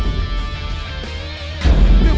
ดึกจริง